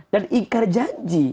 dan ingkar janji